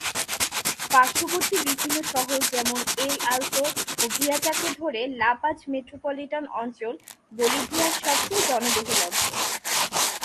পার্শ্ববর্তী বিভিন্ন শহর যেমন "এল আলতো", ও "ভিয়াচা"কে ধরে লা পাজ মেট্রোপলিটান অঞ্চল বলিভিয়ার সবচেয়ে জনবহুল অঞ্চল।